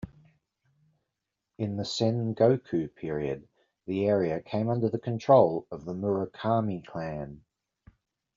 In the Sengoku period, the area came under the control of the Murakami clan.